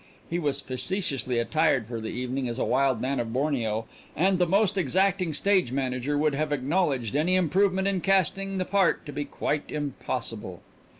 He was facetiously attired for the evening as a wild man of Borneo, and the most exacting stage manager would have acknowledged any improvement in casting the part to be quite impossible.